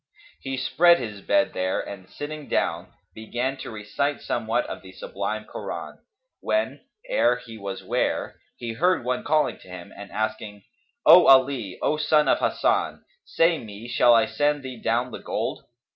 He spread his bed there and sitting down, began to recite somewhat of the Sublime Koran, when (ere he was ware) he heard one calling to him and asking, "O Ali, O son of Hasan, say me, shall I send thee down the gold?"